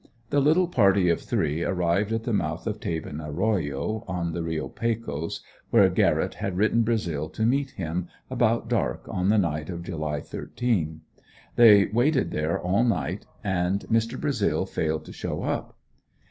The little party of three arrived at the mouth of Tayban Arroyo, on the Reo Pecos, where Garrett had written Brazil to meet him, about dark on the night of July 13th. They waited there all night and Mr. Brazil failed to show up.